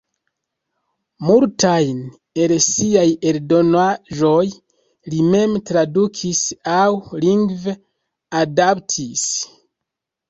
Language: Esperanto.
Multajn el siaj eldonaĵoj li mem tradukis aŭ lingve adaptis.